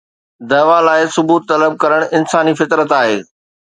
دعويٰ لاءِ ثبوت طلب ڪرڻ انساني فطرت آهي.